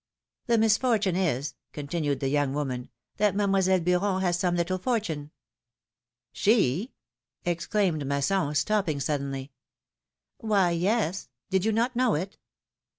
^^The misfortune is," continued the young woman, ^4hat Mademoiselle Beuron has some little fortune —" '^She?" exclaimed Masson, stopping suddenly. Why, yes ! Did you not know it?"